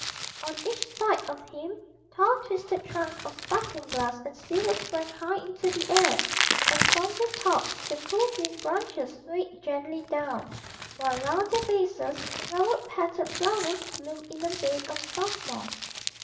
On each side of him tall twisted trunks of sparkling glass and silver sprang high into the air, and from their tops the cool green branches swayed gently down, while round their bases velvet petalled flowers bloomed in a bed of soft moss.